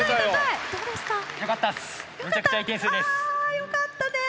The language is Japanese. よかったっす！